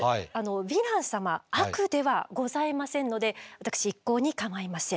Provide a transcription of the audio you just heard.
ヴィラン様悪ではございませんので私一向に構いません。